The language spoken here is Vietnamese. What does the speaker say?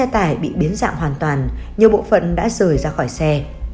tính dạng hoàn toàn nhiều bộ phận đã rời ra khỏi xe